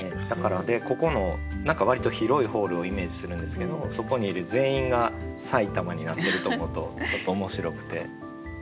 ここの割と広いホールをイメージするんですけどそこにいる全員が「さいたま」になってると思うとちょっと面白くて。